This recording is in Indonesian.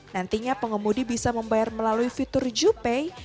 nantinya pengemudi bisa membayar melalui fitur juppay